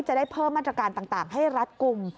จะได้เพิ่มมาตรการต่างให้รัดกลุ่ม